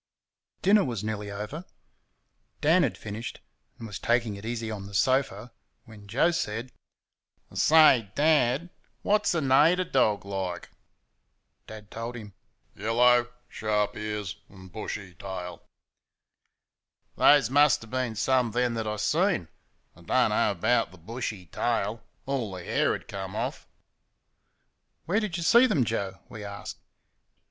Dinner was nearly over; Dan had finished, and was taking it easy on the sofa, when Joe said: "I say, Dad, what's a nater dog like?" Dad told him: "Yellow, sharp ears and bushy tail." "Those muster bin some then thet I seen I do n't know 'bout the bushy tail all th' hair had comed off." "Where'd y' see them, Joe?" we asked.